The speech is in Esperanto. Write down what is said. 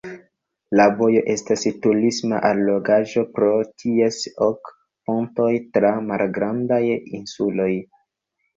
La vojo estas turisma allogaĵo pro ties ok pontoj tra malgrandaj insuloj.